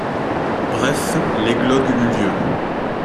Bref, l’églogue eut lieu.